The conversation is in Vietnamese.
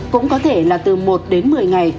cũng có thể là từ một đến một mươi ngày